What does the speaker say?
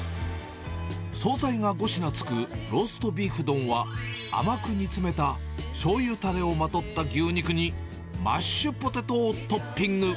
総菜が５品付くローストビーフ丼は、甘く煮詰めたしょうゆだれをまとった牛肉に、マッシュポテトをトッピング。